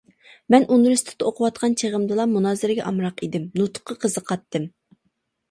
مەن ئۇنىۋېرسىتېتتا ئوقۇۋاتقان چېغىمدىلا مۇنازىرىگە ئامراق ئىدىم، نۇتۇققا قىزىقاتتىم.